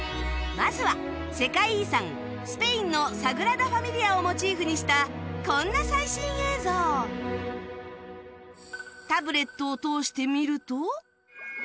まずは世界遺産スペインのサグラダ・ファミリアをモチーフにしたこんな最新映像うわー！